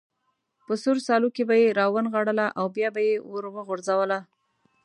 په سور سالو کې به یې را ونغاړله او بیا به یې وروغورځوله.